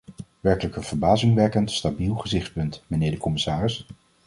Werkelijk een verbazingwekkend stabiel gezichtspunt, mijnheer de commissaris.